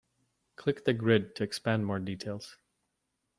Click the grid to expand more details.